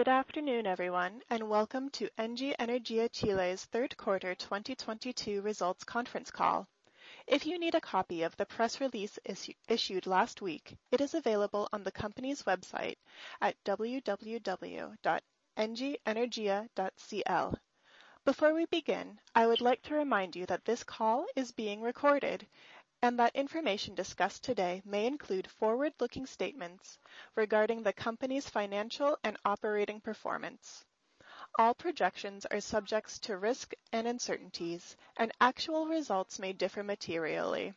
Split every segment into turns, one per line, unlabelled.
Good afternoon, everyone, and welcome to Engie Energía Chile's third quarter 2022 results conference call. If you need a copy of the press release issued last week, it is available on the company's website at www.engieenergia.cl. Before we begin, I would like to remind you that this call is being recorded and that information discussed today may include forward-looking statements regarding the company's financial and operating performance. All projections are subjects to risk and uncertainties, and actual results may differ materially.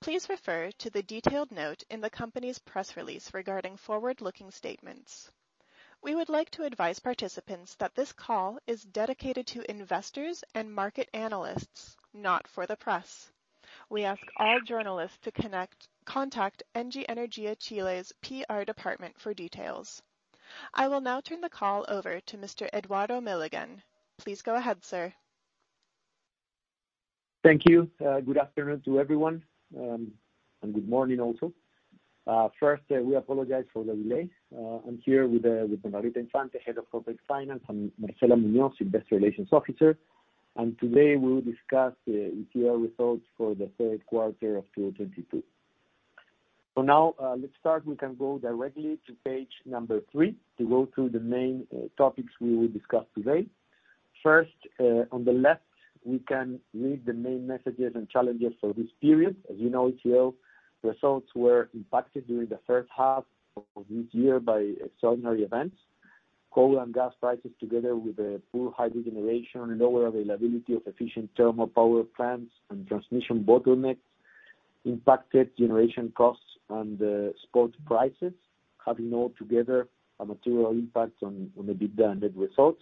Please refer to the detailed note in the company's press release regarding forward-looking statements. We would like to advise participants that this call is dedicated to investors and market analysts, not for the press. We ask all journalists to contact Engie Energía Chile's PR department for details. I will now turn the call over to Mr. Eduardo Milligan. Please go ahead, sir.
Thank you. Good afternoon to everyone, and good morning also. First, we apologize for the delay. I'm here with Bernardita Infante, Head of Corporate Finance, and Marcela Muñoz, Investor Relations Officer. Today, we will discuss the ECL results for the third quarter of 2022. For now, let's start. We can go directly to page number three to go through the main topics we will discuss today. First, on the left, we can read the main messages and challenges for this period. As you know, ECL results were impacted during the first half of this year by extraordinary events. Coal and gas prices, together with poor hydro generation and lower availability of efficient thermal power plants and transmission bottlenecks impacted generation costs and spot prices, having altogether a material impact on the EBITDA and net results.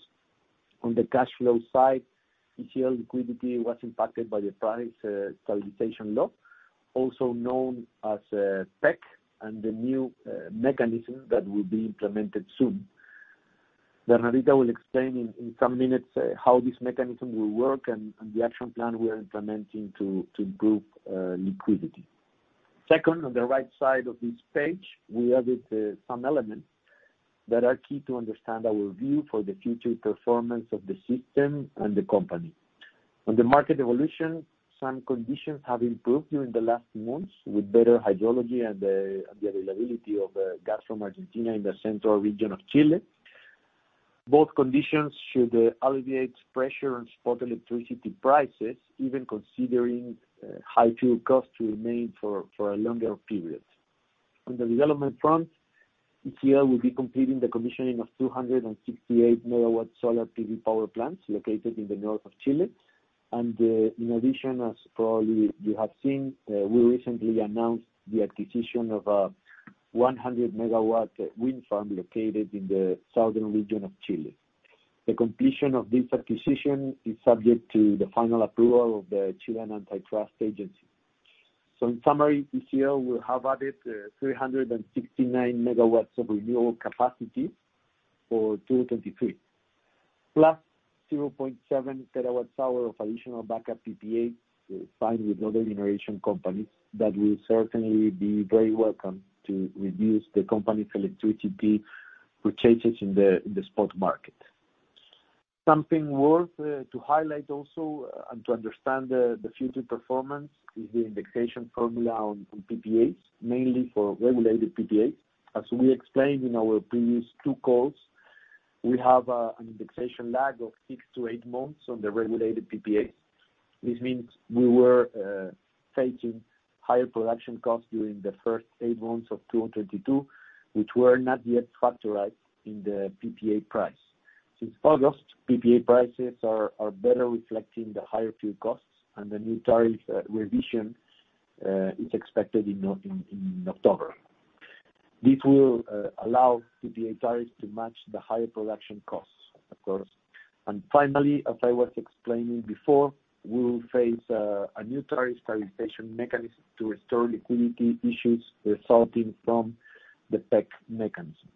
On the cash flow side, ECL liquidity was impacted by the price stabilization law, also known as PEC, and the new mechanism that will be implemented soon. Bernardita will explain in some minutes how this mechanism will work and the action plan we are implementing to improve liquidity. Second, on the right side of this page, we added some elements that are key to understand our view for the future performance of the system and the company. On the market evolution, some conditions have improved during the last months with better hydrology and the availability of gas from Argentina in the central region of Chile. Both conditions should alleviate pressure on spot electricity prices, even considering high fuel costs to remain for a longer period. On the development front, ECL will be completing the commissioning of 268 MW solar PV power plants located in the north of Chile. In addition, as probably you have seen, we recently announced the acquisition of 100 MW wind farm located in the southern region of Chile. The completion of this acquisition is subject to the final approval of the FNE. In summary, ECL will have added 369 MW of renewable capacity for 2023, +0.7 TWh of additional backup PPA signed with other generation companies that will certainly be very welcome to reduce the company's electricity purchases in the spot market. Something worth highlighting also, to understand the future performance, is the indexation formula on PPAs, mainly for regulated PPAs. As we explained in our previous two calls, we have an indexation lag of six to eight months on the regulated PPAs. This means we were facing higher production costs during the first eight months of 2022, which were not yet factorized in the PPA price. Since August, PPA prices are better reflecting the higher fuel costs, and the new tariff revision is expected in October. This will allow PPA tariffs to match the higher production costs, of course. Finally, as I was explaining before, we will face a new tariff stabilization mechanism to restore liquidity issues resulting from the PEC mechanism.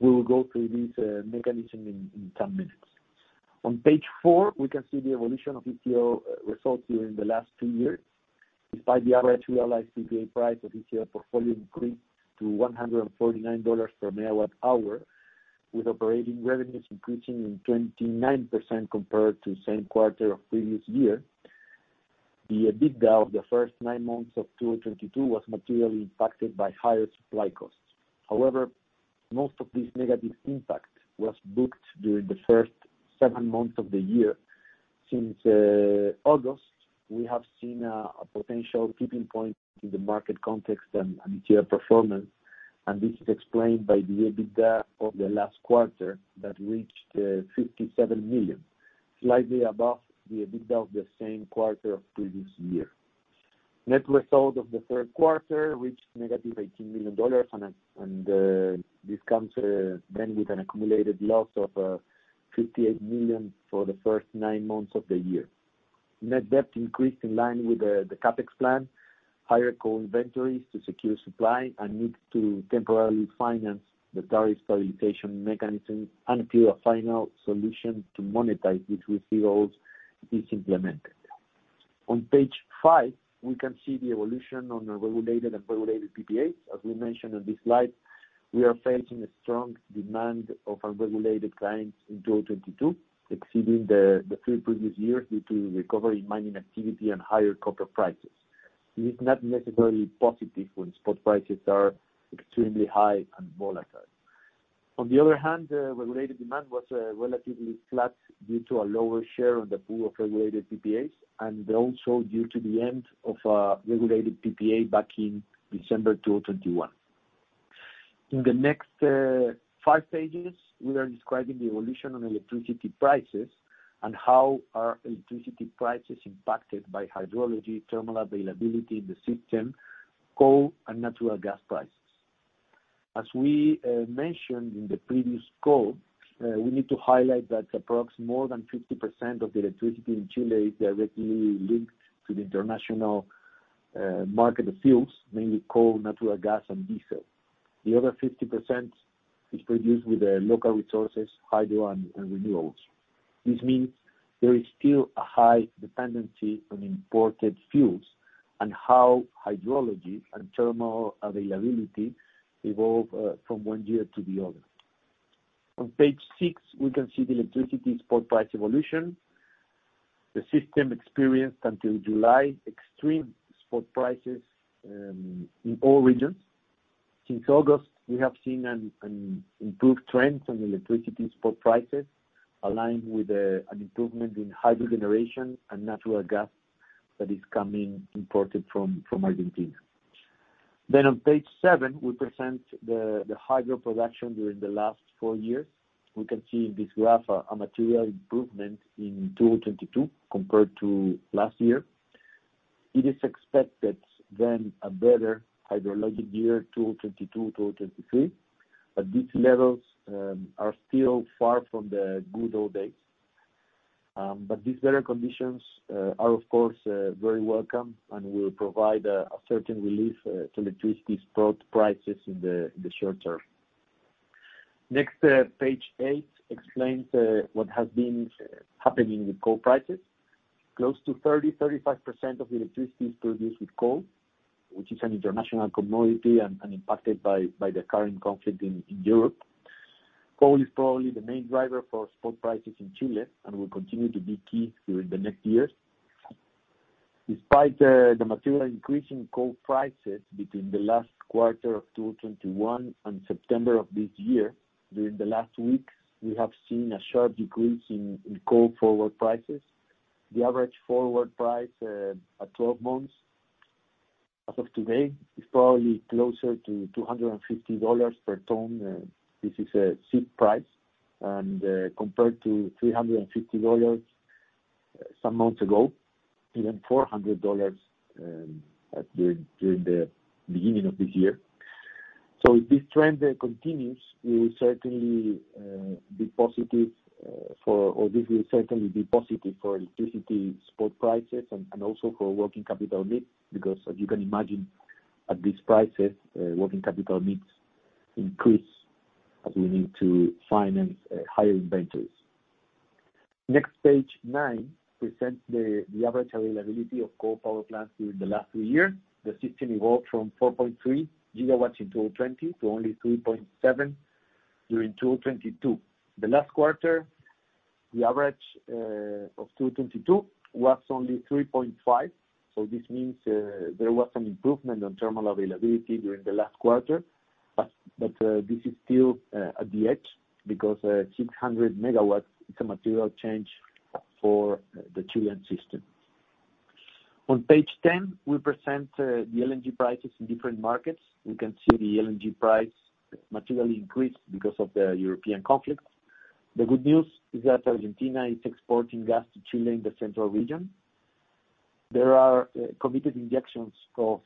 We will go through this mechanism in some minutes. On Page 4, we can see the evolution of ECL results during the last two years. Despite the average realized PPA price of ECL portfolio increased to $149 per MWh, with operating revenues increasing 29% compared to same quarter of previous year. The EBITDA of the first nine months of 2022 was materially impacted by higher supply costs. However, most of this negative impact was booked during the first seven months of the year. Since August, we have seen a potential tipping point in the market context and ECL performance, and this is explained by the EBITDA of the last quarter that reached $57 million, slightly above the EBITDA of the same quarter of previous year. Net result of the third quarter reached -$18 million, and this comes then with an accumulated loss of $58 million for the first nine months of the year. Net debt increased in line with the CapEx plan, higher coal inventories to secure supply, and need to temporarily finance the tariff stabilization mechanism until a final solution to monetize receivables is implemented. On page five, we can see the evolution of the regulated and unregulated PPAs. As we mentioned on this slide, we are facing a strong demand from unregulated clients in 2022, exceeding the three previous years due to recovery in mining activity and higher copper prices. It is not necessarily positive when spot prices are extremely high and volatile. On the other hand, regulated demand was relatively flat due to a lower share of the pool of regulated PPAs, and also due to the end of a regulated PPA back in December 2021. In the next five pages, we are describing the evolution on electricity prices and how our electricity prices impacted by hydrology, thermal availability in the system, coal and natural gas prices. As we mentioned in the previous call, we need to highlight that approx more than 50% of the electricity in Chile is directly linked to the international market fuels, mainly coal, natural gas, and diesel. The other 50% is produced with local resources, hydro and renewables. This means there is still a high dependency on imported fuels and how hydrology and thermal availability evolve from one year to the other. On Page 6, we can see the electricity spot price evolution. The system experienced until July extreme spot prices in all regions. Since August, we have seen an improved trend on electricity spot prices, aligned with an improvement in hydro generation and natural gas that is imported from Argentina. On Page 7, we present the hydro production during the last four years. We can see in this graph a material improvement in 2022 compared to last year. It is expected a better hydrologic year, 2022-2023. These levels are still far from the good old days. These better conditions are of course very welcome and will provide a certain relief to electricity spot prices in the short term. Page 8 explains what has been happening with coal prices. Close to 30%-35% of the electricity is produced with coal, which is an international commodity and impacted by the current conflict in Europe. Coal is probably the main driver for spot prices in Chile and will continue to be key during the next years. Despite the material increase in coal prices between the last quarter of 2021 and September of this year, during the last weeks, we have seen a sharp decrease in coal forward prices. The average forward price at 12 months as of today is probably closer to $250 per ton. This is a CIF price. Compared to $350 some months ago, even $400 at the beginning of this year. If this trend continues, we will certainly be positive for, or this will certainly be positive for electricity spot prices and also for working capital needs. Because as you can imagine at these prices, working capital needs increase as we need to finance higher inventories. Next, page nine presents the average availability of coal power plants during the last three years. The system evolved from 4.3 GW in 2020 to only 3.7 during 2022. The last quarter, the average of 2022 was only 3.5, so this means there was some improvement on thermal availability during the last quarter. This is still at the edge because 600 MW, it's a material change for the Chilean system. On Page 10, we present the LNG prices in different markets. We can see the LNG price materially increased because of the European conflict. The good news is that Argentina is exporting gas to Chile in the central region. There are committed injections of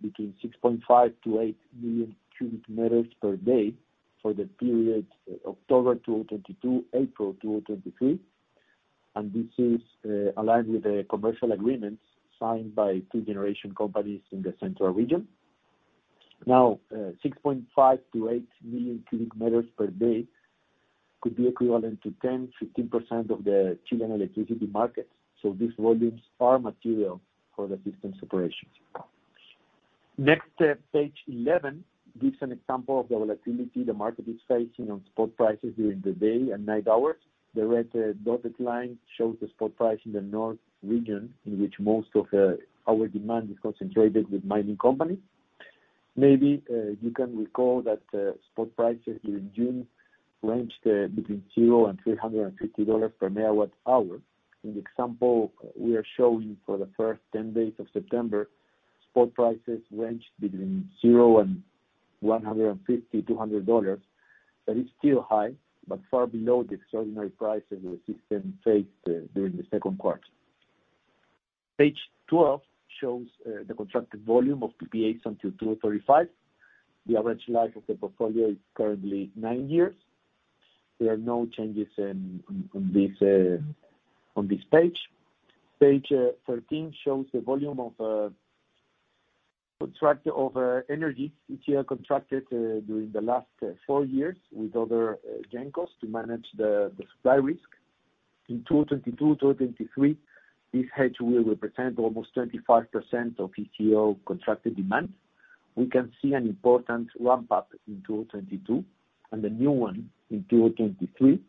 between 6.5 to 8 million cubic meters per day for the period October 2022-April 2023, and this is aligned with the commercial agreements signed by two generation companies in the central region. Now, 6.5 million-8 million cubic meters per day could be equivalent to 10%-15% of the Chilean electricity market, so these volumes are material for the system's operations. Next step, Page 11, gives an example of the volatility the market is facing on spot prices during the day and night hours. The red dotted line shows the spot price in the north region, in which most of our demand is concentrated with mining companies. Maybe you can recall that spot prices in June ranged between $0 and $350 per MWh. In the example we are showing for the first 10 days of September, spot prices ranged between $0 and $150-$200. That is still high, but far below the extraordinary prices the system faced during the second quarter. Page 12 shows the contracted volume of PPAs until 2035. The average life of the portfolio is currently nine years. There are no changes on this page. Page 13 shows the volume of contracted energy ECL contracted during the last four years with other gen cos to manage the supply risk. In 2022, 2023, this hedge will represent almost 25% of ECL contracted demand. We can see an important ramp up in 2022 and a new one in 2023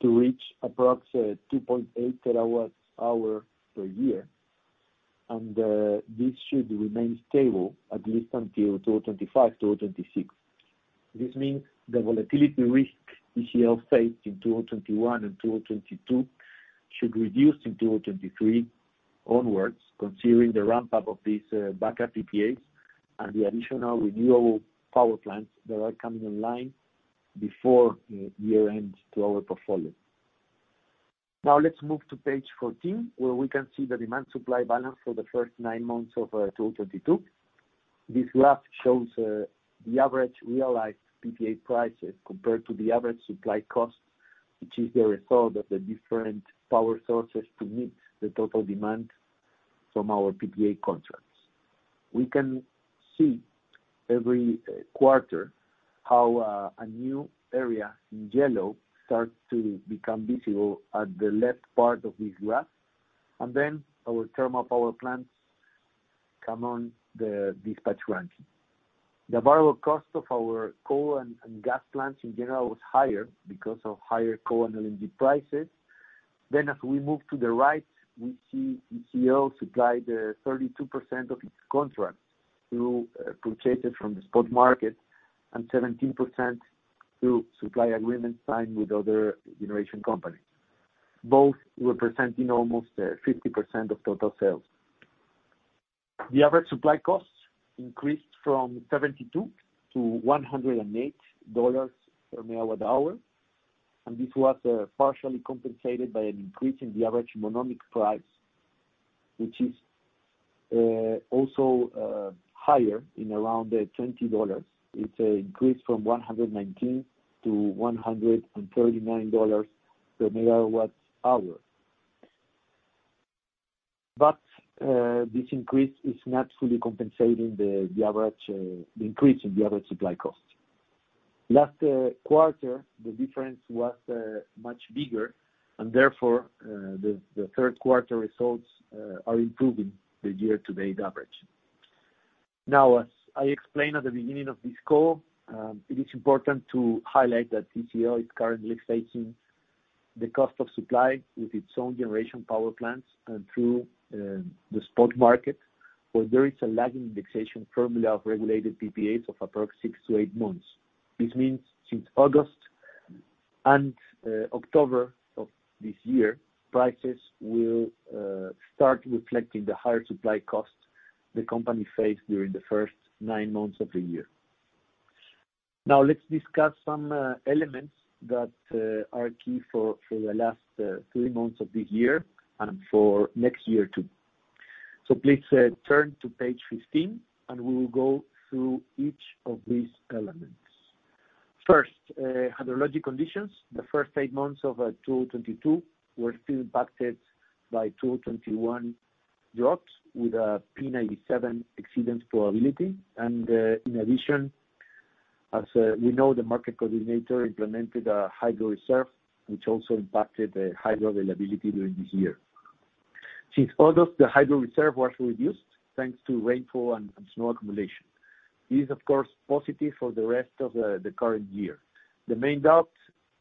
to reach approx. 2.8 TWh per year. This should remain stable at least until 2025, 2026. This means the volatility risk ECL faced in 2021 and 2022 should reduce in 2023 onwards, considering the ramp up of these backup PPAs and the additional renewable power plants that are coming online before year-end to our portfolio. Now let's move to Page 14, where we can see the demand supply balance for the first nine months of 2022. This graph shows the average realized PPA prices compared to the average supply cost, which is the result of the different power sources to meet the total demand from our PPA contracts. We can see every quarter how a new area in yellow starts to become visible at the left part of this graph. Then our thermal power plants come on the dispatch ranking. The variable cost of our coal and gas plants in general was higher because of higher coal and LNG prices. As we move to the right, we see ECL supply 32% of its contracts through purchases from the spot market and 17% through supply agreements signed with other generation companies, both representing almost 50% of total sales. The average supply costs increased from $72-$108 per MWh, and this was partially compensated by an increase in the average economic price, which is also higher by around $20. It's an increase from $11-$139 per MWh. This increase is not fully compensating the increase in the average supply cost. Last quarter, the difference was much bigger, and therefore the third quarter results are improving the year-to-date average. Now, as I explained at the beginning of this call, it is important to highlight that ECL is currently facing the cost of supply with its own generation power plants and through the spot market, where there is a lag in indexation formula of regulated PPAs of approximately six to eight months. This means since August and October of this year, prices will start reflecting the higher supply costs the company faced during the first 9 months of the year. Now let's discuss some elements that are key for the last three months of this year and for next year too. Please turn to page 15, and we will go through each of these elements. First, hydrologic conditions. The first eight months of 2022 were still impacted by 2021 droughts with P97 exceedance probability. In addition, as we know, the market coordinator implemented a hydro reserve, which also impacted the hydro availability during this year. Since August, the hydro reserve was reduced thanks to rainfall and snow accumulation. It is, of course, positive for the rest of the current year. The main doubt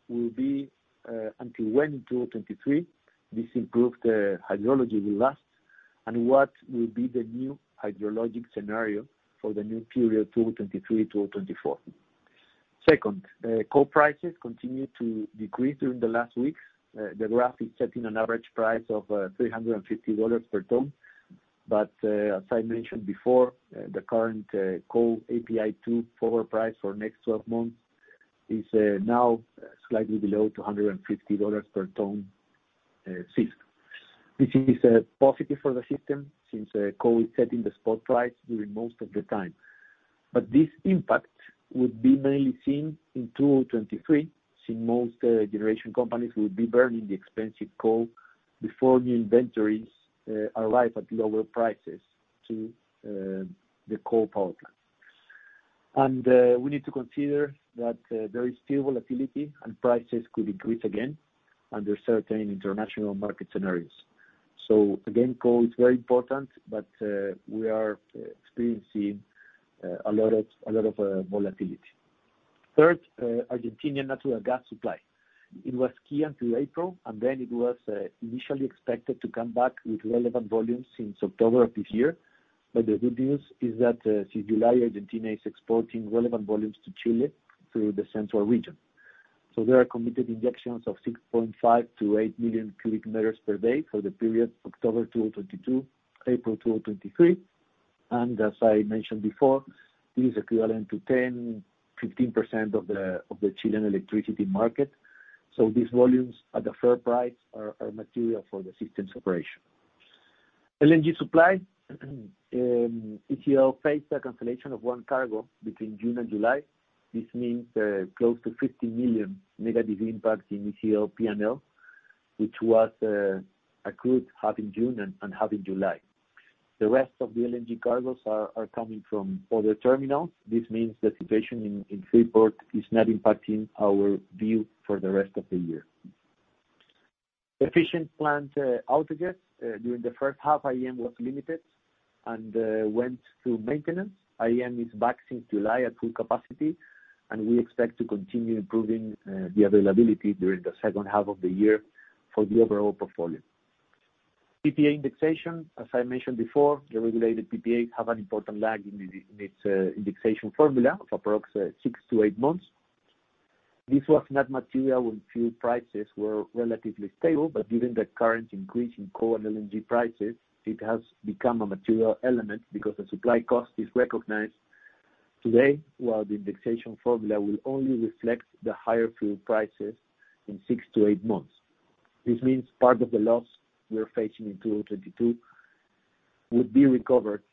will be until when in 2023 this improved hydrology will last, and what will be the new hydrologic scenario for the new period 2023, 2024. Second, coal prices continued to decrease during the last weeks. The graph is setting an average price of $350 per ton. As I mentioned before, the current coal API2 forward price for next 12 months is now slightly below $250 per ton, CIF. This is positive for the system since coal is setting the spot price during most of the time. This impact would be mainly seen in 2023, since most generation companies will be burning the expensive coal before new inventories arrive at lower prices to the coal power plant. We need to consider that there is still volatility and prices could increase again under certain international market scenarios. Again, coal is very important, but we are experiencing a lot of volatility. Third, Argentine natural gas supply. It was key until April, and then it was initially expected to come back with relevant volumes since October of this year. The good news is that since July, Argentina is exporting relevant volumes to Chile through the central region. There are committed injections of 6.5-8 million cubic meters per day for the period October 2022-April 2023. As I mentioned before, this is equivalent to 10%-15% of the Chilean electricity market. These volumes at the fair price are material for the system's operation. LNG supply, ETL faced a cancellation of one cargo between June and July. This means close to $50 million negative impact in ETL P&L, which was accrued half in June and half in July. The rest of the LNG cargos are coming from other terminals. This means the situation in Freeport is not impacting our view for the rest of the year. Efficient plant outages during the first half. IEM was limited and went through maintenance. IEM is back since July at full capacity, and we expect to continue improving the availability during the second half of the year for the overall portfolio. PPA indexation, as I mentioned before, the regulated PPAs have an important lag in its indexation formula of approx six to eight months. This was not material when fuel prices were relatively stable, but given the current increase in coal and LNG prices, it has become a material element because the supply cost is recognized today, while the indexation formula will only reflect the higher fuel prices in six to eight months. This means part of the loss we are facing in 2022 would be recovered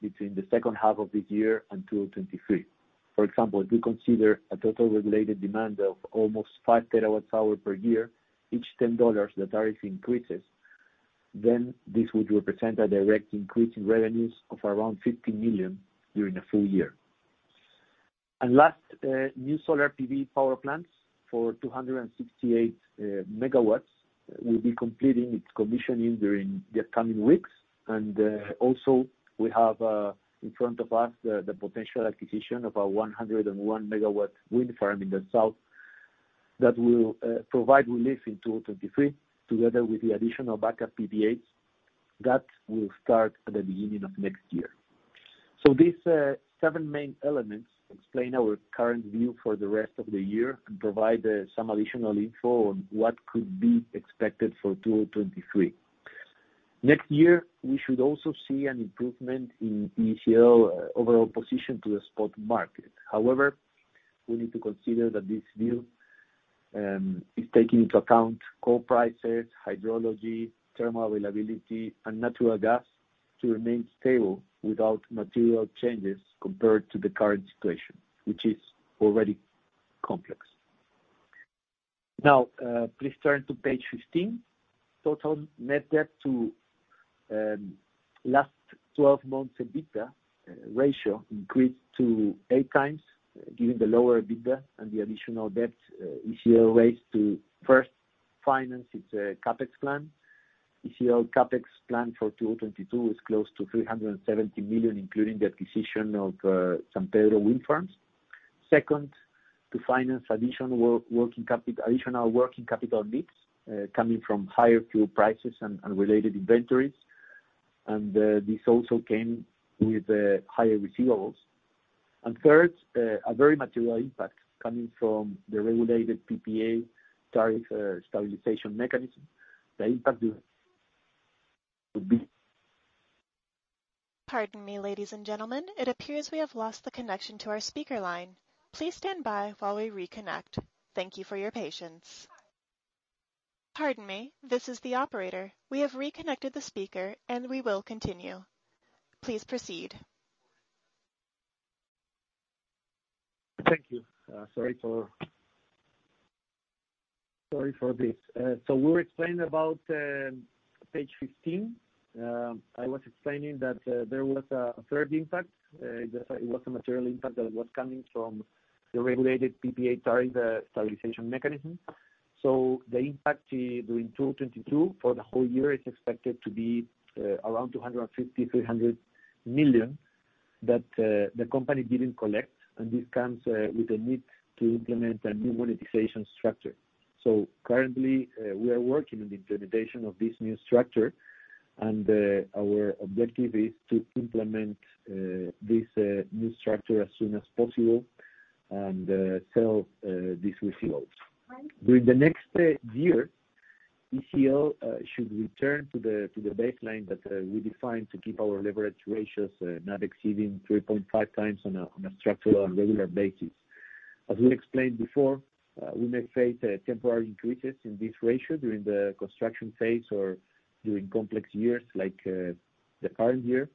between the second half of this year and 2023. For example, if we consider a total regulated demand of almost 5 TWh per year, each $10 that tariff increases, then this would represent a direct increase in revenues of around $50 million during the full year. Last, new solar PV power plants for 268 MW will be completing its commissioning during the upcoming weeks. Also we have in front of us the potential acquisition of a 101 MW wind farm in the south that will provide relief in 2023, together with the additional backup PPAs that will start at the beginning of next year. These seven main elements explain our current view for the rest of the year and provide some additional info on what could be expected for 2023. Next year, we should also see an improvement in ECL overall position to the spot market. However, we need to consider that this view is taking into account coal prices, hydrology, thermal availability and natural gas to remain stable without material changes compared to the current situation, which is already complex. Now, please turn to Page 15. Total net debt to last twelve months EBITDA ratio increased to 8x, given the lower EBITDA and the additional debt ECL raised to first finance its CapEx plan. ECL CapEx plan for 2022 is close to $370 million, including the acquisition of San Pedro Wind Farm. Second, to finance additional working capital needs coming from higher fuel prices and related inventories. This also came with higher receivables. Third, a very material impact coming from the regulated PPA tariff stabilization mechanism. The impact here would be-
Pardon me, ladies and gentlemen, it appears we have lost the connection to our speaker line. Please stand by while we reconnect. Thank you for your patience. Pardon me. This is the operator. We have reconnected the speaker, and we will continue. Please proceed.
Thank you. Sorry for this. We were explaining about Page 15. I was explaining that there was a third impact. It was a material impact that was coming from the regulated PPA tariff stabilization mechanism. The impact during 2022 for the whole year is expected to be around $250 million-$300 million that the company didn't collect. This comes with the need to implement a new monetization structure. Currently, we are working on the implementation of this new structure, and our objective is to implement this new structure as soon as possible and sell these receivables. During the next year, ECL should return to the baseline that we defined to keep our leverage ratios not exceeding 3.5x on a structural and regular basis. As we explained before, we may face temporary increases in this ratio during the construction phase or during complex years like the current year,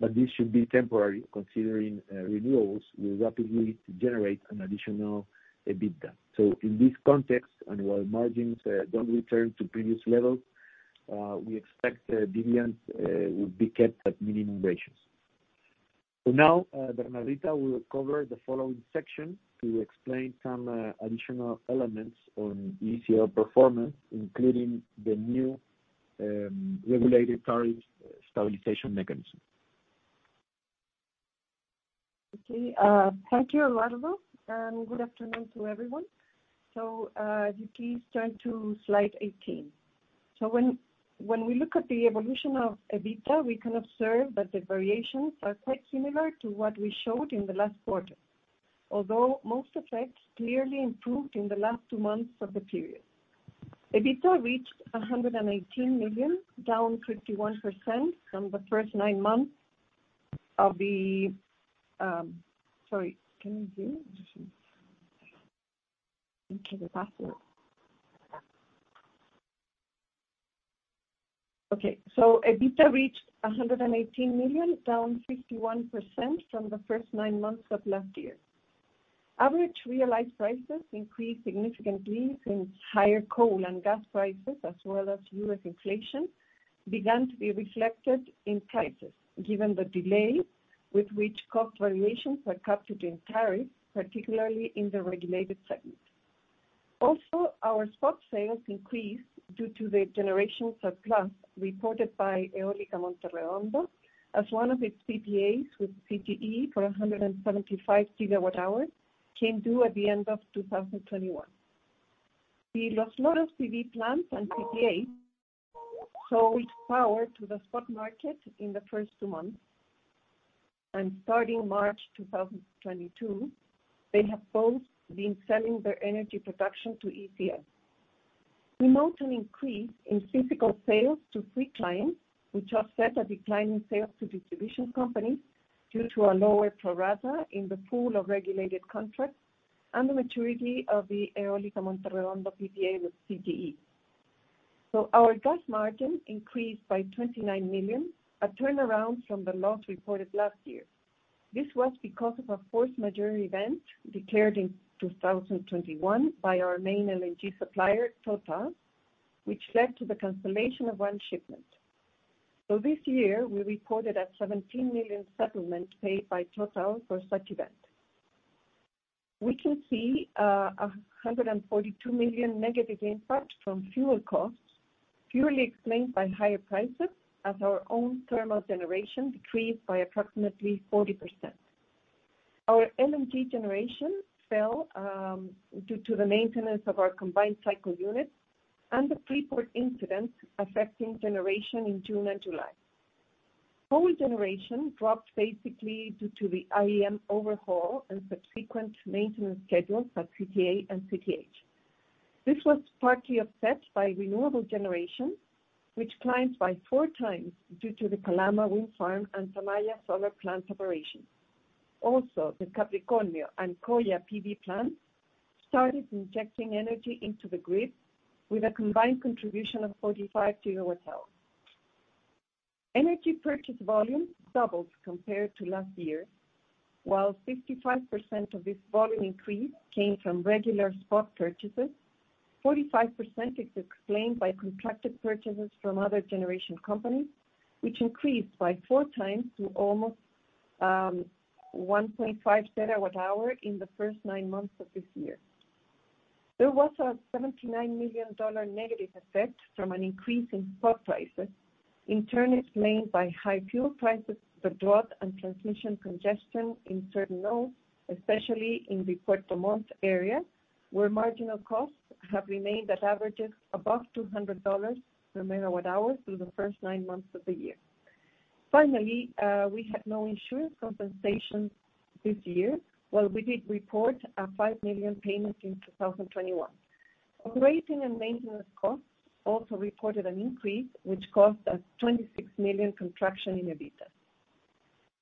but this should be temporary considering renewals will rapidly generate an additional EBITDA. In this context, and while margins don't return to previous levels, we expect dividends will be kept at minimum ratios. Now, Bernardita will cover the following section to explain some additional elements on ECL performance, including the new regulated tariffs stabilization mechanism.
Okay. Thank you, Eduardo Milligan, and good afternoon to everyone. If you please turn to Slide 18. When we look at the evolution of EBITDA, we can observe that the variations are quite similar to what we showed in the last quarter. Although most effects clearly improved in the last two months of the period. EBITDA reached $118 million, down 51% from the first nine months of last year. Average realized prices increased significantly since higher coal and gas prices, as well as U.S. inflation, began to be reflected in prices, given the delay with which cost variations are captured in tariffs, particularly in the regulated segment. Also, our spot sales increased due to the generation surplus reported by Eólica Monte Redondo as one of its PPAs with CTE for 175 GWh came due at the end of 2021. The Los Loros PV plants and PPA sold power to the spot market in the first two months, and starting March 2022, they have both been selling their energy production to ECS. We note an increase in physical sales to free clients, which offset a decline in sales to distribution companies due to a lower PRASA in the pool of regulated contracts and the maturity of the Eólica Monte Redondo PPA with CTE. Our gas margin increased by $29 million, a turnaround from the loss reported last year. This was because of a force majeure event declared in 2021 by our main LNG supplier, TotalEnergies, which led to the cancellation of one shipment. This year we reported a $17 million settlement paid by TotalEnergies for such event. We can see a $142 million negative impact from fuel costs, purely explained by higher prices as our own thermal generation decreased by approximately 40%. Our LNG generation fell due to the maintenance of our combined cycle units and the Freeport incident affecting generation in June and July. Coal generation dropped basically due to the IEM overhaul and subsequent maintenance schedules at CTA and CTH. This was partly offset by renewable generation, which climbed by 4 times due to the Calama Wind Farm and Tamaya Solar Plant operations. The Capricornio and Coya PV plants started injecting energy into the grid with a combined contribution of 45 GWh. Energy purchase volume doubled compared to last year. While 55% of this volume increase came from regular spot purchases, 45% is explained by contracted purchases from other generation companies, which increased by 4x to almost 1.5 TWh in the first nine months of this year. There was a $79 million negative effect from an increase in spot prices, in turn explained by high fuel prices, the drought, and transmission congestion in certain nodes, especially in the Puerto Montt area, where marginal costs have remained at averages above $200 per MWh through the first nine months of the year. Finally, we had no insurance compensation this year, while we did report a $5 million payment in 2021. Operating and maintenance costs also reported an increase which caused a $26 million contraction in EBITDA.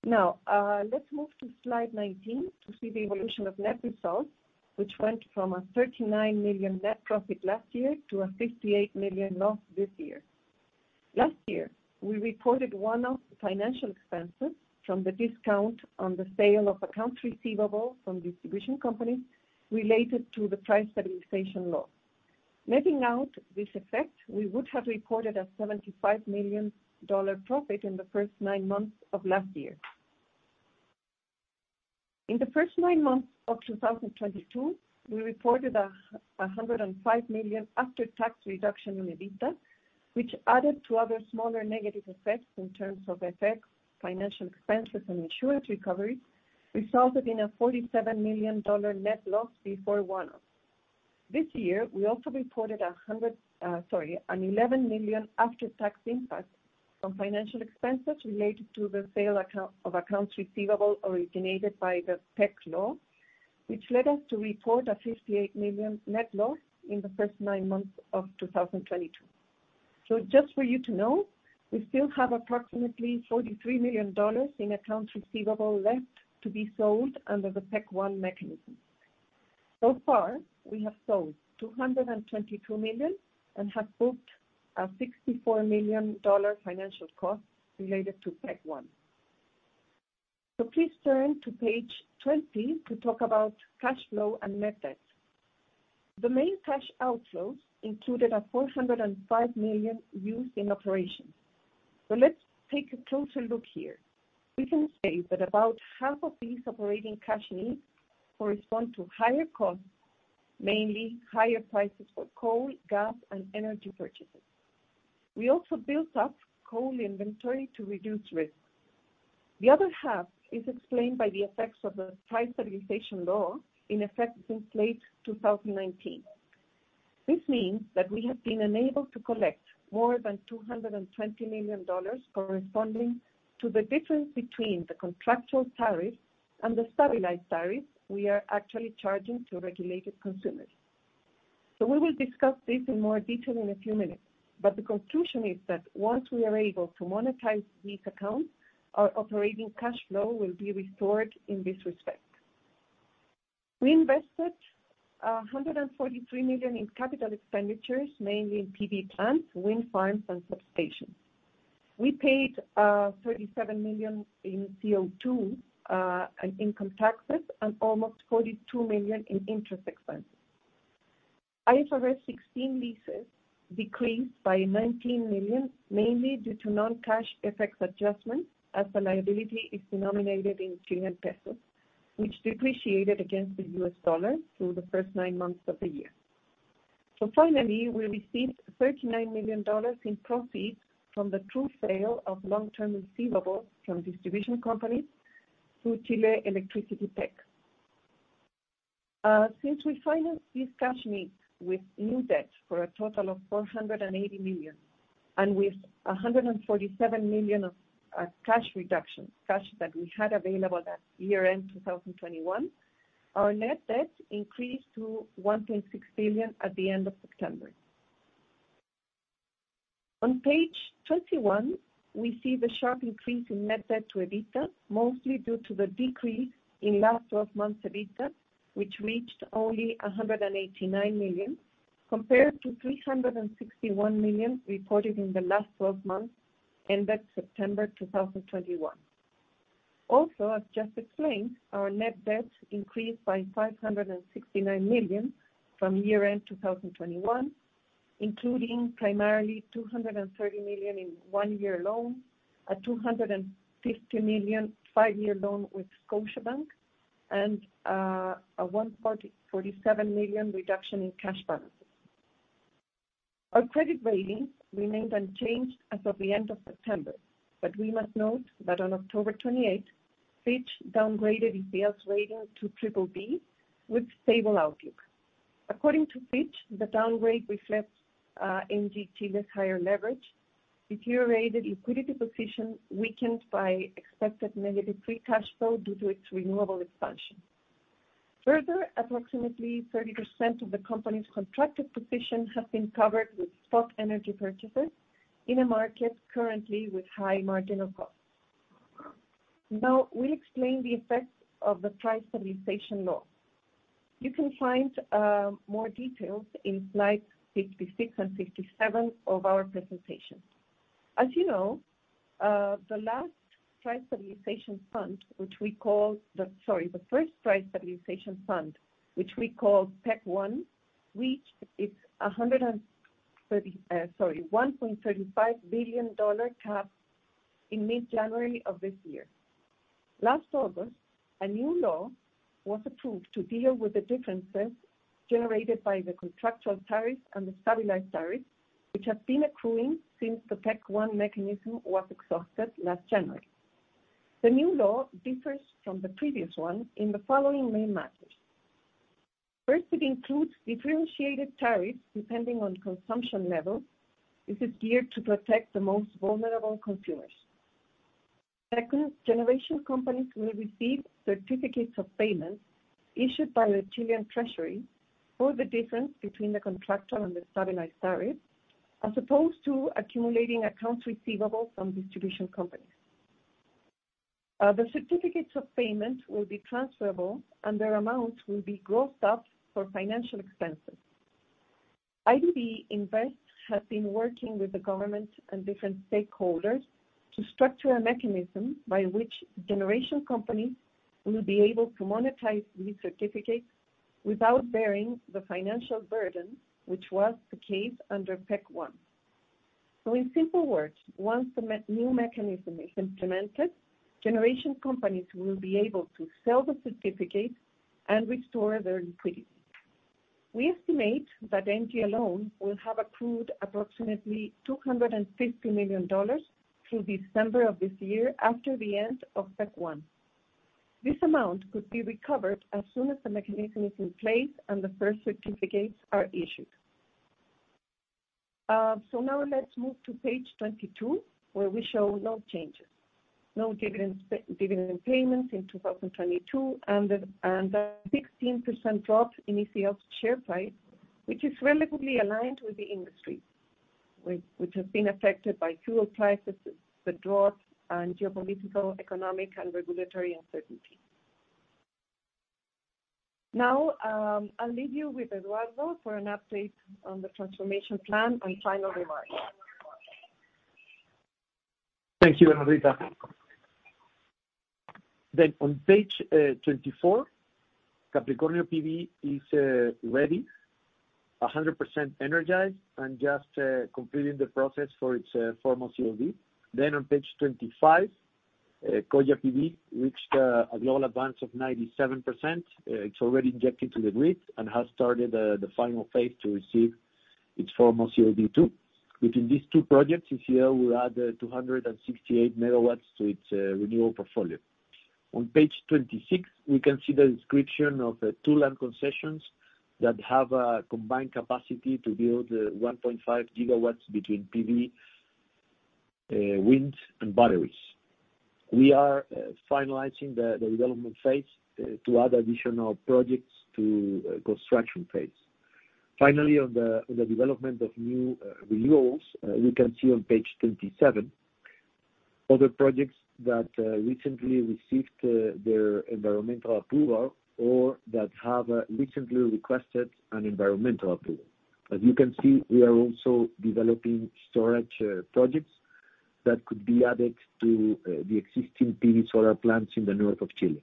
Now, let's move to Slide 19 to see the evolution of net results, which went from a $39 million net profit last year to a $58 million loss this year. Last year, we reported one-off financial expenses from the discount on the sale of accounts receivable from distribution companies related to the Price Stabilization Law. Letting out this effect, we would have reported a $75 million profit in the first nine months of last year. In the first nine months of 2022, we reported a $105 million after-tax reduction in EBITDA, which added to other smaller negative effects in terms of financial expenses, and insurance recoveries, resulted in a $47 million net loss before one-offs. This year, we also reported an $11 million after-tax impact on financial expenses related to the sale of accounts receivable originated by the PEC law, which led us to report a $58 million net loss in the first nine months of 2022. Just for you to know, we still have approximately $43 million in accounts receivable left to be sold under the PEC 1 mechanism. So far, we have sold $222 million and have booked a $64 million financial cost related to PEC 1. Please turn to Page 20 to talk about cash flow and net debt. The main cash outflows included $405 million used in operations. Let's take a closer look here. We can say that about half of these operating cash needs correspond to higher costs, mainly higher prices for coal, gas, and energy purchases. We also built up coal inventory to reduce risk. The other half is explained by the effects of the price stabilization law in effect since late 2019. This means that we have been unable to collect more than $220 million corresponding to the difference between the contractual tariff and the stabilized tariff we are actually charging to regulated consumers. We will discuss this in more detail in a few minutes, but the conclusion is that once we are able to monetize these accounts, our operating cash flow will be restored in this respect. We invested $143 million in capital expenditures, mainly in PV plants, wind farms, and substations. We paid $37 million in CO2 and income taxes, and almost $42 million in interest expenses. IFRS 16 leases decreased by $19 million, mainly due to non-cash effects adjustments, as the liability is denominated in Chilean pesos, which depreciated against the U.S. dollar through the first nine months of the year. Finally, we received $39 million in profits from the true sale of long-term receivables from distribution companies through Chile Electricity PEC. Since we financed this cash needs with new debt for a total of $480 million and with $147 million of cash reduction, cash that we had available at year-end 2021, our net debt increased to $1.6 billion at the end of September. On Page 21, we see the sharp increase in net debt to EBITDA, mostly due to the decrease in last twelve months EBITDA, which reached only $189 million, compared to $361 million reported in the last twelve months ended September 2021. Also, as just explained, our net debt increased by $569 million from year-end 2021, including primarily $230 million in one-year loans, a $250 million five-year loan with Scotiabank, and a $147 million reduction in cash balances. Our credit rating remained unchanged as of the end of September, but we must note that on October 28, Fitch downgraded EPS rating to BBB with stable outlook. According to Fitch, the downgrade reflects Engie Chile's higher leverage, deteriorated liquidity position weakened by expected negative Free Cash Flow due to its renewable expansion. Further, approximately 30% of the company's contracted position has been covered with spot energy purchases in a market currently with high marginal costs. Now, we explain the effects of the price stabilization law. You can find more details in Slides 66 and 67 of our presentation. As you know, the first price stabilization fund, which we call PEC 1, reached its $1.35 billion cap in mid-January of this year. Last August, a new law was approved to deal with the differences generated by the contractual tariffs and the stabilized tariffs, which have been accruing since the PEC 1 mechanism was exhausted last January. The new law differs from the previous one in the following main matters. First, it includes differentiated tariffs depending on consumption level. This is geared to protect the most vulnerable consumers. Second, generation companies will receive certificates of payment issued by the Chilean Treasury for the difference between the contractual and the stabilized tariffs, as opposed to accumulating accounts receivable from distribution companies. The certificates of payment will be transferable, and their amount will be grossed up for financial expenses. IDB Invest has been working with the government and different stakeholders to structure a mechanism by which generation companies will be able to monetize these certificates without bearing the financial burden, which was the case under PEC 1. In simple words, once the new mechanism is implemented, generation companies will be able to sell the certificates and restore their liquidity. We estimate that Engie alone will have accrued approximately $250 million through December of this year after the end of PEC 1. This amount could be recovered as soon as the mechanism is in place and the first certificates are issued. Now let's move to Page 22, where we show no changes. No dividend payments in 2022 and a 16% drop in ECL's share price, which is relatively aligned with the industry, which has been affected by fuel prices, the drought, and geopolitical, economic, and regulatory uncertainty. I'll leave you with Eduardo for an update on the transformation plan and final remarks.
Thank you, Bernardita Infante. On Page 24, Capricornio PV is ready, 100% energized, and just completing the process for its formal COD. On Page 25, Coya PV reached an overall advance of 97%. It's already injected to the grid and has started the final phase to receive its formal COD too. Within these two projects, [inaudible] will add 268 MW to its renewable portfolio. On Page 26, we can see the description of the two land concessions that have a combined capacity to build 1.5 GW between PV, wind, and batteries. We are finalizing the development phase to add additional projects to construction phase. Finally, on the development of new renewables, you can see on Page 27. Other projects that recently received their environmental approval or that have recently requested an environmental approval. As you can see, we are also developing storage projects that could be added to the existing PV solar plants in the north of Chile.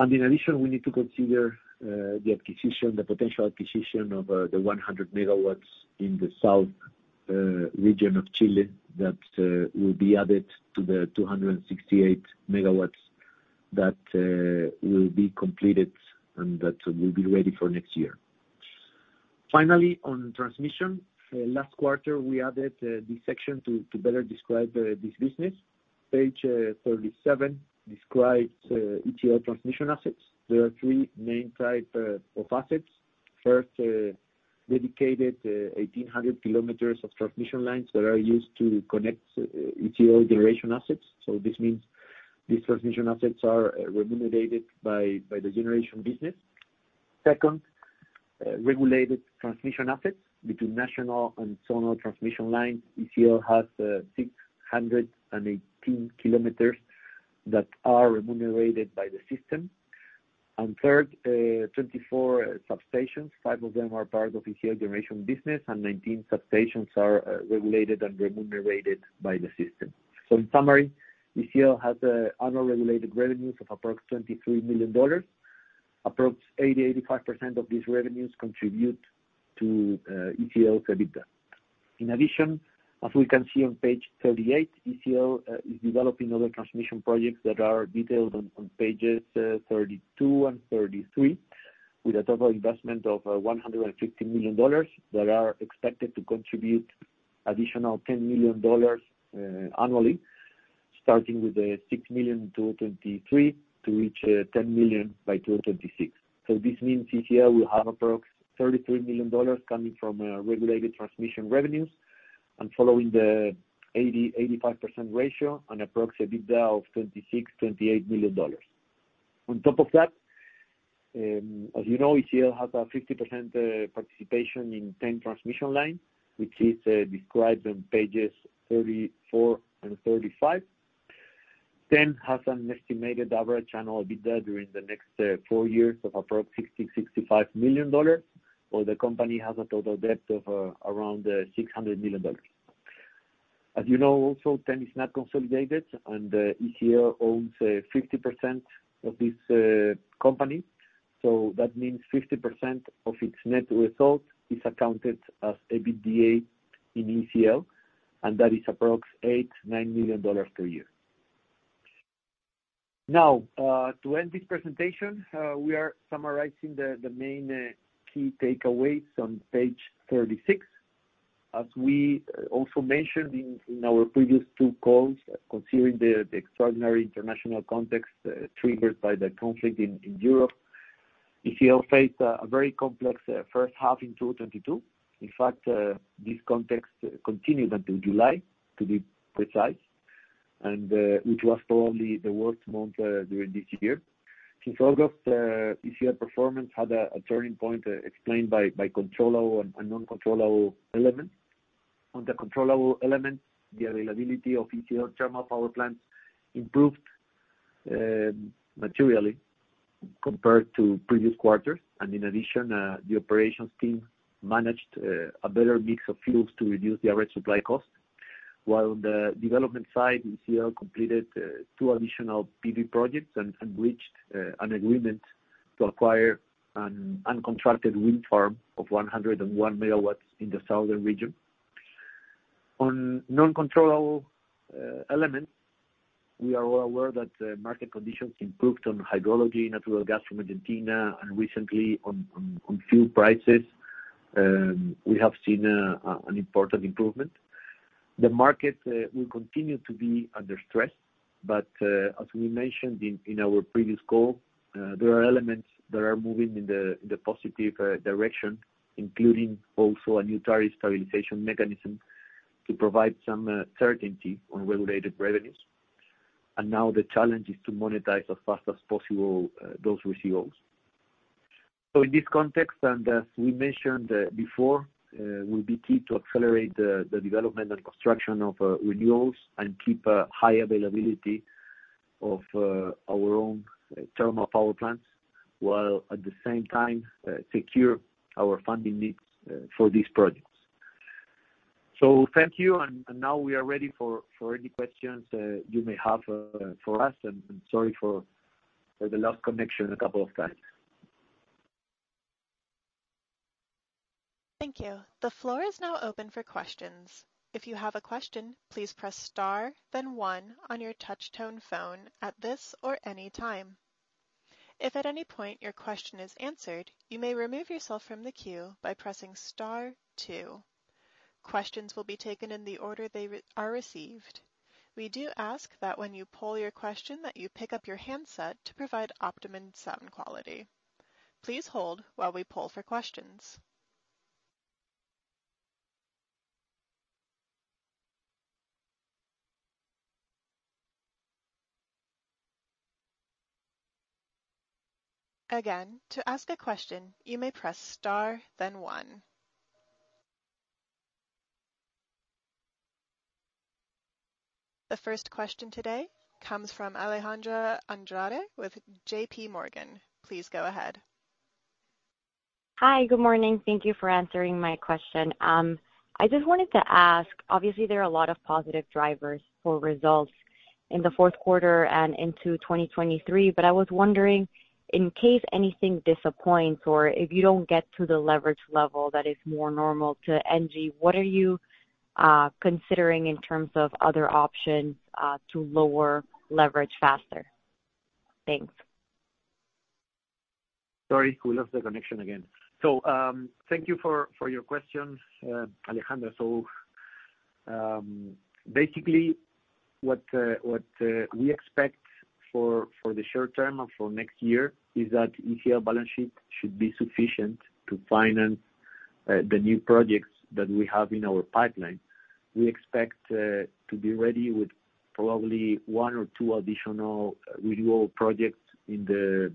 In addition, we need to consider the acquisition, the potential acquisition of the 100 MW in the south region of Chile that will be added to the 268 MW that will be completed and that will be ready for next year. Finally, on transmission, last quarter, we added this section to better describe this business. Page 37 describes ECL transmission assets. There are three main types of assets. First, dedicated 1,800 kilometers of transmission lines that are used to connect ECL generation assets. This means these transmission assets are remunerated by the generation business. Second, regulated transmission assets between national and zonal transmission lines. ECL has 618 kilometers that are remunerated by the system. Third, 24 substations. Five of them are part of ECL generation business, and 19 substations are regulated and remunerated by the system. In summary, ECL has annual regulated revenues of approx $23 million. Approx 80%-85% of these revenues contribute to ECL's EBITDA. In addition, as we can see on Page 38, ECL is developing other transmission projects that are detailed on Pages 32 and 33, with a total investment of $150 million that are expected to contribute additional $10 million annually, starting with $6 million in 2023 to reach $10 million by 2026. This means ECL will have approx $33 million coming from regulated transmission revenues and following the 80%-85% ratio, an approx EBITDA of $26 million-$28 million. On top of that, as you know, ECL has a 50% participation in TEN transmission line, which is described on Pages 34 and 35. TEN has an estimated average annual EBITDA during the next four years of approximately $60 million-$65 million, while the company has a total debt of around $600 million. As you know also, TEN is not consolidated, and ECL owns 50% of this company. That means 50% of its net result is accounted as EBITDA in ECL, and that is approximately $8 million-$9 million per year. Now to end this presentation, we are summarizing the main key takeaways on page 36. As we also mentioned in our previous two calls, considering the extraordinary international context triggered by the conflict in Europe, ECL faced a very complex first half in 2022. In fact, this context continued until July, to be precise, and which was probably the worst month during this year. Since August, ECL performance had a turning point, explained by controllable and non-controllable elements. On the controllable elements, the availability of ECL thermal power plants improved materially compared to previous quarters. In addition, the operations team managed a better mix of fuels to reduce the average supply cost. While on the development side, ECL completed two additional PV projects and reached an agreement to acquire an uncontracted wind farm of 101 MW in the southern region. On non-controllable elements, we are well aware that market conditions improved on hydrology, natural gas from Argentina, and recently on fuel prices. We have seen an important improvement. The market will continue to be under stress, but as we mentioned in our previous call, there are elements that are moving in the positive direction, including also a new tariff stabilization mechanism to provide some certainty on regulated revenues. Now the challenge is to monetize as fast as possible those renewables. In this context, and as we mentioned before, it will be key to accelerate the development and construction of renewables and keep a high availability of our own thermal power plants, while at the same time secure our funding needs for these projects. Thank you, and now we are ready for any questions you may have for us. Sorry for the lost connection a couple of times.
Thank you. The floor is now open for questions. If you have a question, please press star then one on your touch tone phone at this or any time. If at any point your question is answered, you may remove yourself from the queue by pressing star two. Questions will be taken in the order they are received. We do ask that when you ask your question, that you pick up your handset to provide optimum sound quality. Please hold while we poll for questions. Again, to ask a question, you may press star then one. The first question today comes from Alejandra Andrade with J.P. Morgan. Please go ahead.
Hi. Good morning. Thank you for answering my question. I just wanted to ask, obviously, there are a lot of positive drivers for results in the fourth quarter and into 2023, but I was wondering, in case anything disappoints or if you don't get to the leverage level that is more normal to NG, what are you considering in terms of other options to lower leverage faster? Thanks.
Sorry, we lost the connection again. Thank you for your question, Alejandra. Basically, what we expect for the short term or for next year is that ECL balance sheet should be sufficient to finance the new projects that we have in our pipeline. We expect to be ready with probably one or two additional renewal projects in the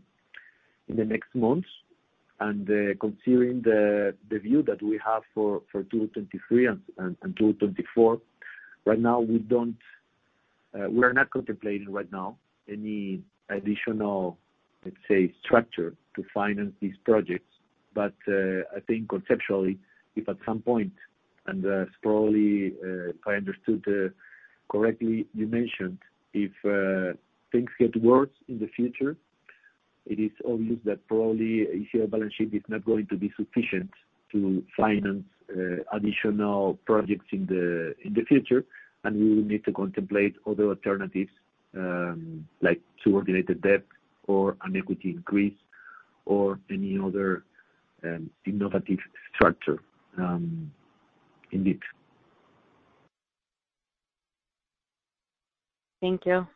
next months. Considering the view that we have for 2023 and 2024, right now we are not contemplating right now any additional, let's say, structure to finance these projects. I think conceptually, if at some point, and probably, if I understood correctly, you mentioned, if things get worse in the future, it is obvious that probably ECL balance sheet is not going to be sufficient to finance additional projects in the future, and we will need to contemplate other alternatives, like subordinated debt or an equity increase or any other innovative structure, indeed.
Thank you.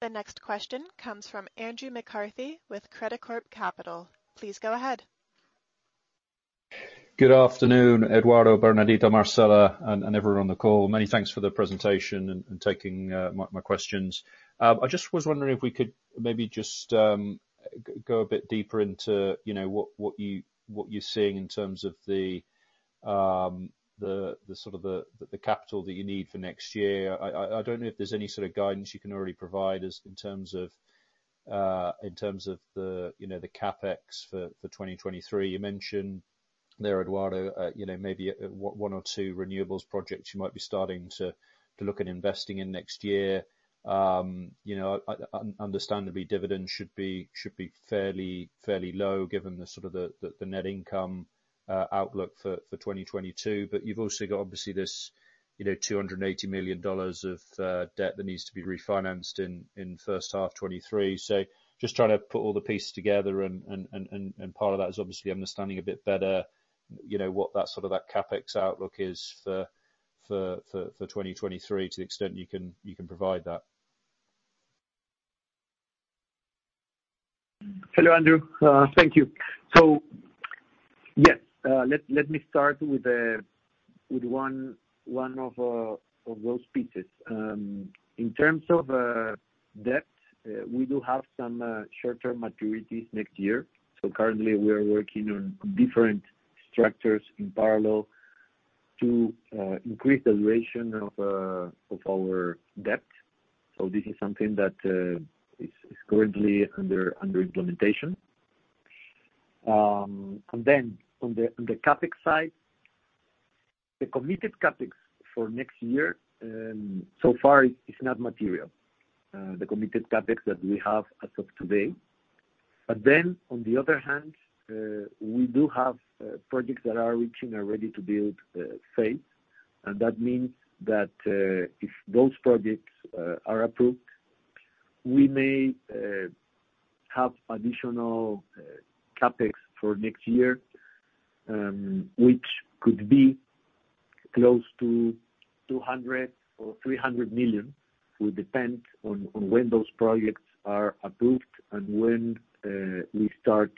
The next question comes from Andrew McCarthy with Credicorp Capital. Please go ahead.
Good afternoon, Eduardo, Bernardita, Marcela, and everyone on the call. Many thanks for the presentation and taking my questions. I just was wondering if we could maybe just go a bit deeper into, you know, what you are seeing in terms of the sort of the capital that you need for next year. I don't know if there's any sort of guidance you can already provide as in terms of the CapEx for 2023. You mentioned there, Eduardo, you know, maybe one or two renewables projects you might be starting to look at investing in next year. You know, I understandably, dividends should be fairly low given the sort of net income outlook for 2022. You've also got, obviously, this, you know, $280 million of debt that needs to be refinanced in first half 2023. Just trying to put all the pieces together and part of that is obviously understanding a bit better, you know, what that sort of CapEx outlook is for 2023 to the extent you can provide that.
Hello, Andrew. Thank you. Let me start with one of those pieces. In terms of debt, we do have some short-term maturities next year. Currently we are working on different structures in parallel to increase the duration of our debt. This is something that is currently under implementation. On the CapEx side, the committed CapEx for next year so far is not material, the committed CapEx that we have as of today. On the other hand, we do have projects that are reaching a ready-to-build phase. That means that, if those projects are approved, we may have additional CapEx for next year, which could be close to $200 million or $300 million. It will depend on when those projects are approved and when we start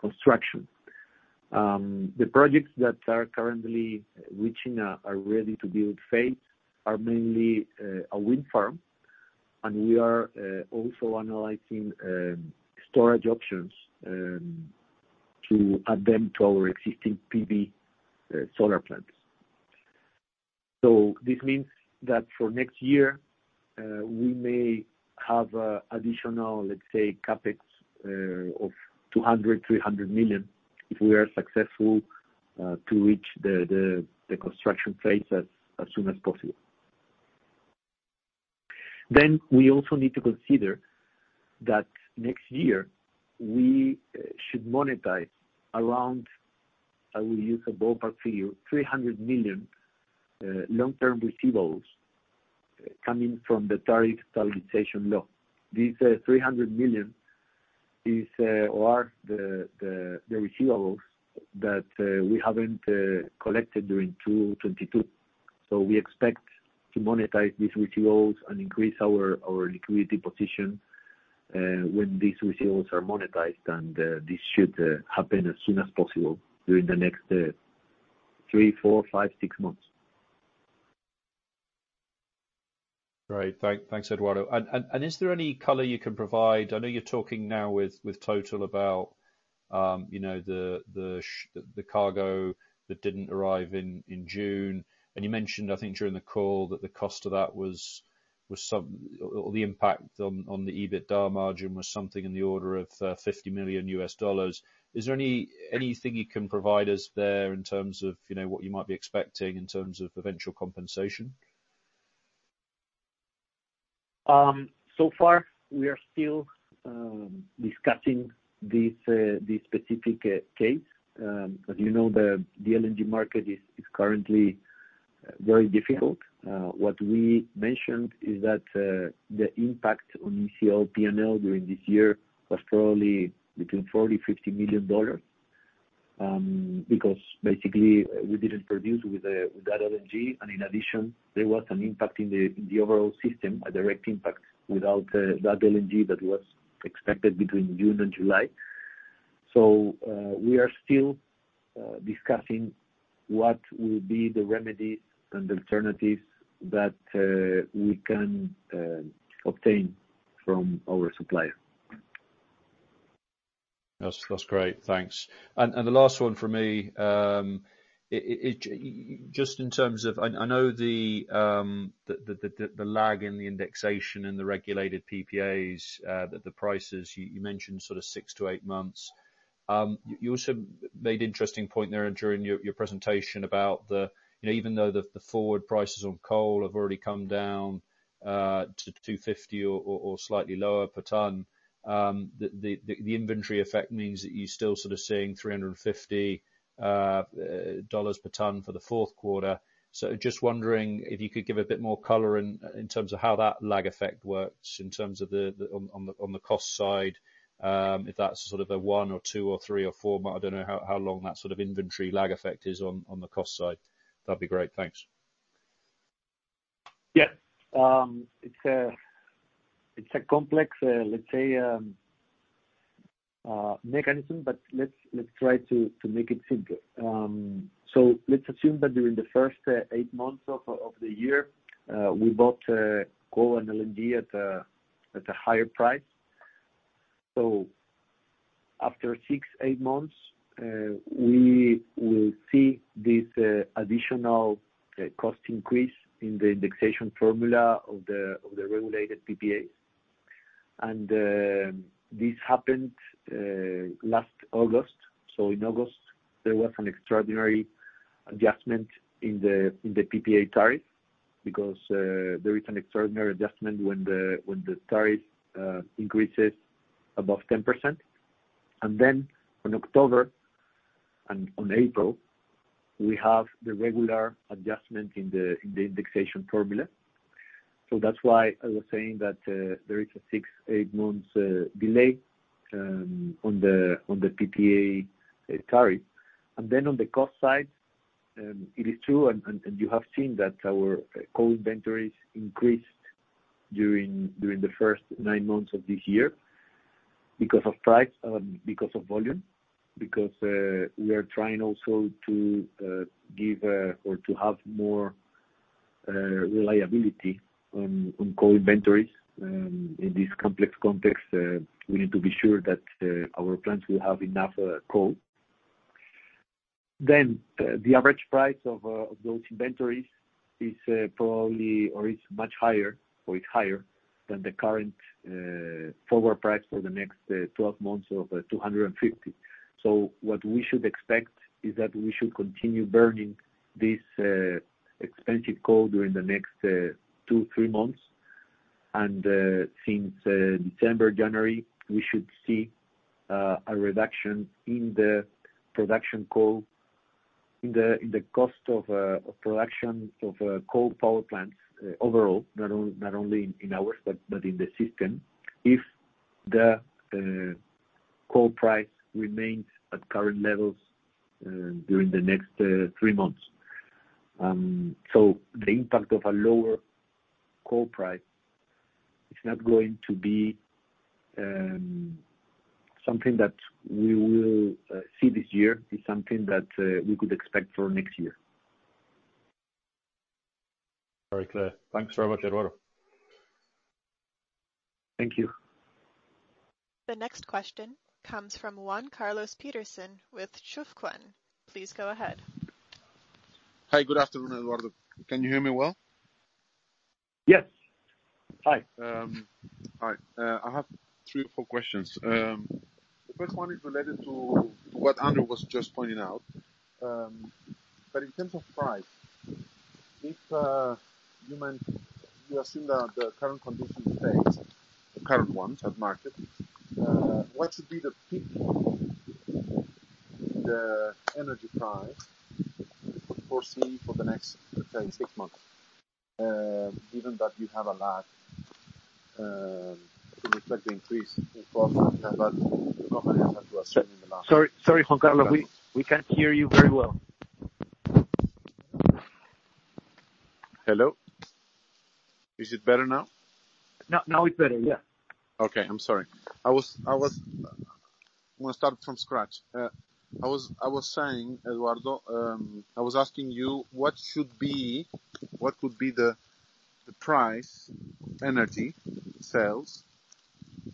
construction. The projects that are currently reaching a ready-to-build phase are mainly a wind farm, and we are also analyzing storage options to add them to our existing PV solar plants. This means that for next year, we may have a additional, let's say, CapEx of $200 million-$300 million if we are successful to reach the construction phase as soon as possible. We also need to consider that next year we should monetize around, I will use a ballpark figure, $300 million long-term receivables coming from the Energy Price Stabilization Law. This $300 million is or are the receivables that we haven't collected during 2022. We expect to monetize these receivables and increase our liquidity position when these receivables are monetized. This should happen as soon as possible during the next three, four, five, six months.
Great. Thanks, Eduardo. Is there any color you can provide? I know you're talking now with TotalEnergies about, you know, the cargo that didn't arrive in June. You mentioned, I think during the call that the impact on the EBITDA margin was something in the order of $50 million. Is there anything you can provide us there in terms of, you know, what you might be expecting in terms of eventual compensation?
So far we are still discussing this specific case. As you know, the LNG market is currently very difficult. What we mentioned is that the impact on ECL P&L during this year was probably between $40 million-$50 million. Because basically we didn't produce with that LNG. In addition, there was an impact in the overall system, a direct impact without that LNG that was expected between June and July. We are still discussing what will be the remedies and alternatives that we can obtain from our supplier.
That's great. Thanks. The last one for me. Just in terms of I know the lag in the indexation and the regulated PPAs, the prices you mentioned sort of six to eight months. You also made interesting point there during your presentation about the, you know, even though the forward prices on coal have already come down to 250 or slightly lower per ton. The inventory effect means that you're still sort of seeing $350 per ton for the fourth quarter. Just wondering if you could give a bit more color in terms of how that lag effect works in terms of the-- On the cost side, if that's sort of a one or two or three or four, I don't know how long that sort of inventory lag effect is on the cost side. That'd be great. Thanks.
It's a complex, let's say, mechanism, but let's try to make it simple. Let's assume that during the first eight months of the year, we bought coal and LNG at a higher price. After six, eight months, we will see this additional cost increase in the indexation formula of the regulated PPAs. This happened last August. In August, there was an extraordinary adjustment in the PPA tariff because there is an extraordinary adjustment when the tariff increases above 10%. In October and on April, we have the regular adjustment in the indexation formula. That's why I was saying that there is a six to eight month delay on the PPA tariff. On the cost side, it is true, and you have seen that our coal inventories increased during the first nine months of this year because of price, because of volume, because we are trying also to have more reliability on coal inventories. In this complex context, we need to be sure that our plants will have enough coal. The average price of those inventories is much higher than the current forward price for the next 12 months of $250. What we should expect is that we should continue burning this expensive coal during the next two, three months. Since December, January, we should see a reduction in the production cost of coal power plants overall, not only in ours, but in the system, if the coal price remains at current levels during the next three months. The impact of a lower coal price is not going to be something that we will see this year. It's something that we could expect for next year.
Very clear. Thanks very much, Eduardo.
Thank you.
The next question comes from Juan Carlos Petersen with Chufquen. Please go ahead.
Hi. Good afternoon, Eduardo. Can you hear me well?
Yes. Hi.
Hi. I have three or four questions. The first one is related to what Andrew was just pointing out. In terms of price, if you assume that the current conditions faced, the current ones at market, what should be the peak of the energy price you could foresee for the next, let's say, six months? Given that you have a lag, you expect the increase in four months, but normally tend to assume in the last.
Sorry, Juan Carlos. We can't hear you very well.
Hello? Is it better now?
No, now it's better. Yeah.
I was saying, Eduardo, I was asking you what would be the peak price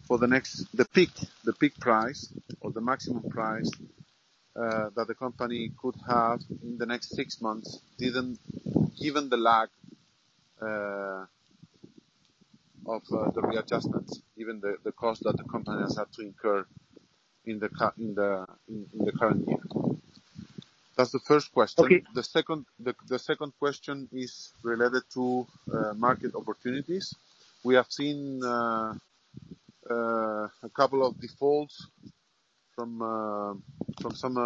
or the maximum price that the company could have in the next six months, given the lack of the readjustments, given the cost that the companies have to incur in the current year. That's the first question.
Okay.
The second question is related to market opportunities. We have seen a couple of defaults from some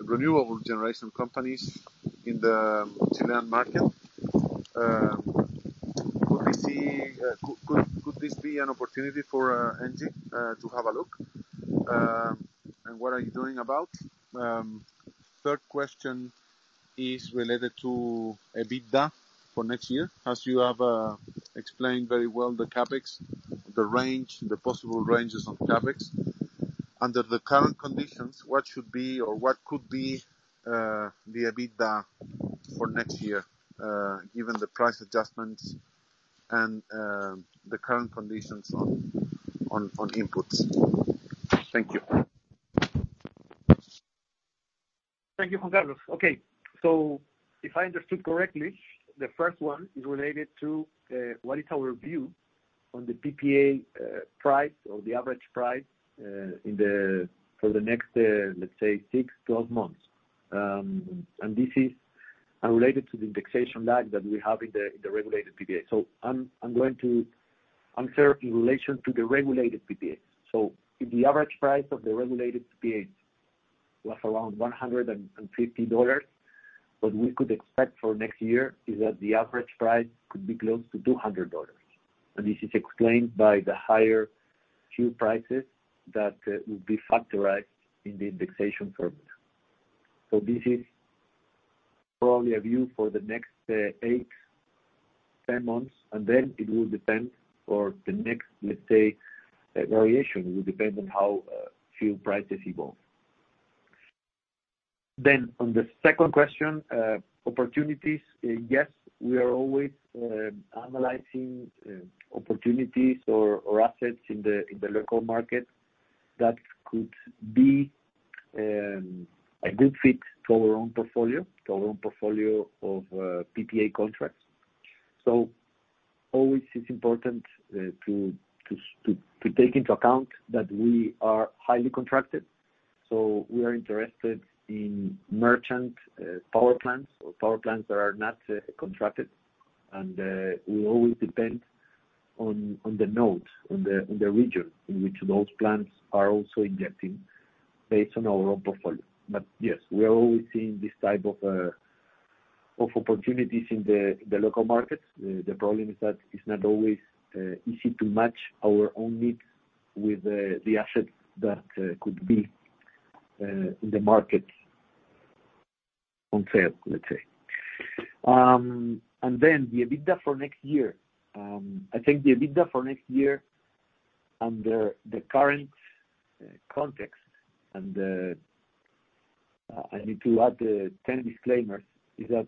renewable generation companies in the Chilean market. Could this be an opportunity for Engie to have a look? What are you doing about? Third question is related to EBITDA for next year. As you have explained very well the CapEx, the range, the possible ranges on CapEx. Under the current conditions, what should be or what could be the EBITDA for next year given the price adjustments and the current conditions on inputs? Thank you.
Thank you, Juan Carlos. Okay, if I understood correctly, the first one is related to what is our view on the PPA price or the average price for the next let's say six to 12 months. This is unrelated to the indexation lag that we have in the regulated PPA. I'm going to answer in relation to the regulated PPA. If the average price of the regulated PPA was around $150, what we could expect for next year is that the average price could be close to $200. This is explained by the higher fuel prices that would be factored in the indexation formula. This is probably a view for the next eight to 10 months, and then it will depend for the next, let's say, variation. It will depend on how fuel prices evolve. On the second question, opportunities, yes, we are always analyzing opportunities or assets in the local market that could be a good fit to our own portfolio of PPA contracts. Always it's important to take into account that we are highly contracted, so we are interested in merchant power plants or power plants that are not contracted. We always depend on the nodes, on the region in which those plants are also injecting based on our own portfolio. Yes, we are always seeing this type of opportunities in the local market. The problem is that it's not always easy to match our own needs with the assets that could be in the market on sale, let's say. The EBITDA for next year. I think the EBITDA for next year under the current context and I need to add 10 disclaimers is that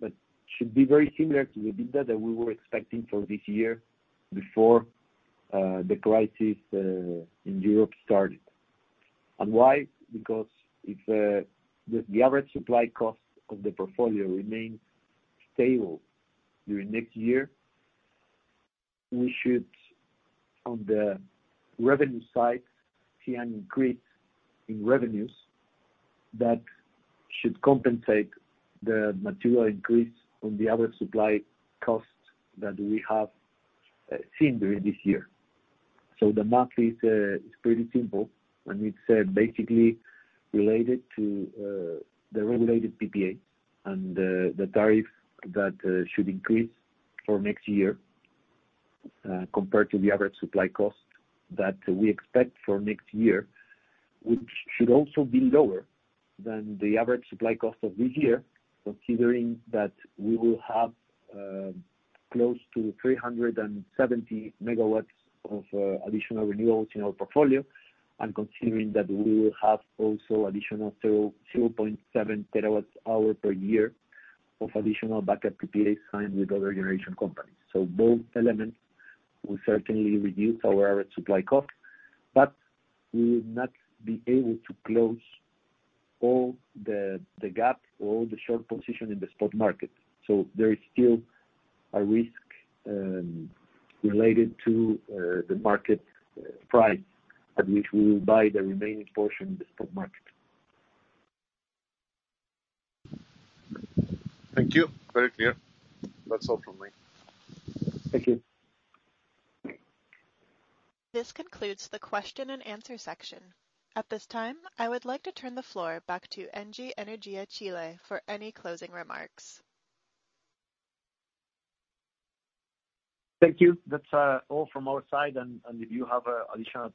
that should be very similar to the EBITDA that we were expecting for this year before the crisis in Europe started. Why? Because if the average supply cost of the portfolio remains stable during next year, we should, on the revenue side, see an increase in revenues that should compensate the material increase on the average supply costs that we have seen during this year. The math is pretty simple, and it's basically related to the regulated PPA and the tariff that should increase for next year, compared to the average supply cost that we expect for next year, which should also be lower than the average supply cost of this year, considering that we will have close to 370 MW of additional renewables in our portfolio. Considering that we will have also additional 0.7 TWh per year of additional backup PPAs signed with other generation companies. Both elements will certainly reduce our average supply cost, but we will not be able to close all the gap or the short position in the spot market. There is still a risk related to the market price at which we will buy the remaining portion in the spot market.
Thank you. Very clear. That's all from me.
Thank you.
This concludes the question and answer section. At this time, I would like to turn the floor back to Engie Energía Chile for any closing remarks.
Thank you. That's all from our side. If you have additional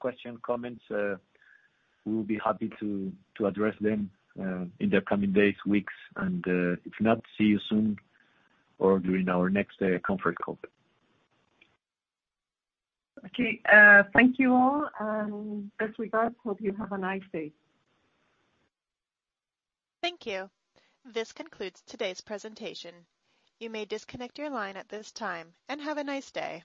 question, comments, we'll be happy to address them in the coming days, weeks. If not, see you soon or during our next conference call.
Okay. Thank you, all, and best regards. Hope you have a nice day.
Thank you. This concludes today's presentation. You may disconnect your line at this time and have a nice day.